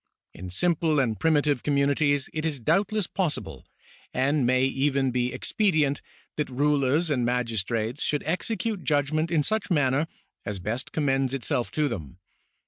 In simple and primitive communities it is doubtless possible, and may even be ex pedient, that rulers and magistrates should execute judg ment in such manner as best commends itself to them.